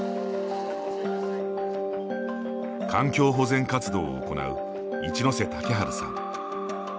環境保全活動を行う市瀬健治さん。